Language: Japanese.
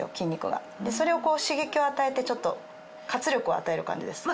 それを刺激を与えてちょっと活力を与える感じです。